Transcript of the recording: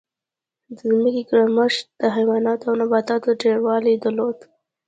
د ځمکې ګرمښت د حیواناتو او نباتاتو ډېروالی درلود.